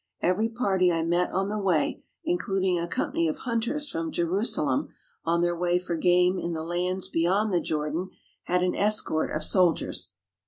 Every party I met on the way, including a company of hunters from Jerusalem on their way for game in the lands be yond the Jordan, had an escort of soldiers.